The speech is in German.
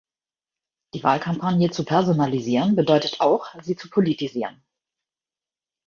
Die Wahlkampagne zu personalisieren, bedeutet auch, sie zu politisieren.